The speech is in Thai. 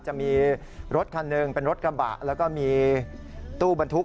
จะมีรถคันหนึ่งเป็นรถกระบะแล้วก็มีตู้บรรทุก